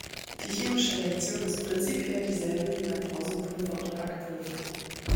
Die chemische Reaktion ist prinzipiell dieselbe wie bei Brausepulver oder Backpulver.